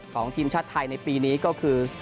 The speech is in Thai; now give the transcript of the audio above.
ของทีมชาติไทยในปีนี้ก็คือ